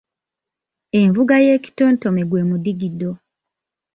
Envuga y’ekitontome gwe mudigido.